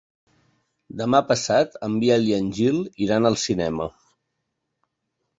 Demà passat en Biel i en Gil iran al cinema.